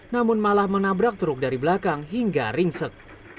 namun malah menabrak truk dari belakang hingga ringsek